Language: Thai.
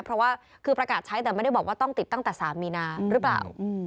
เพราะว่าคือประกาศใช้แต่ไม่ได้บอกว่าต้องติดตั้งแต่๓มีนาหรือเปล่า